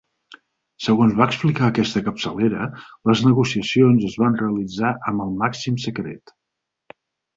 Segons va explicar aquesta capçalera, les negociacions es van realitzar amb el màxim secret.